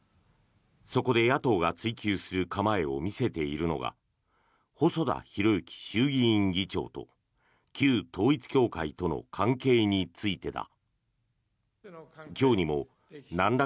そこで野党が追及する構えを見せているのが細田博之衆議院議長と旧統一教会との関係についてだ。